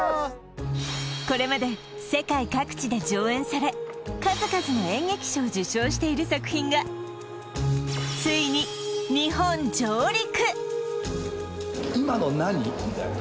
これまで世界各地で上演され数々の演劇賞を受賞している作品が今の何！？